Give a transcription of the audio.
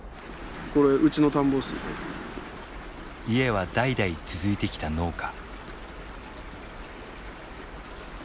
家は代々続いてきた農家。